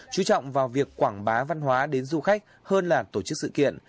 chú trọng vào việc quảng bá văn hóa đến du khách hơn là tổ chức sự kiện